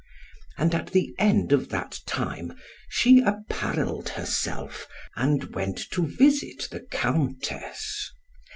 And at the end of that time, she apparelled herself, and went to visit the Countess.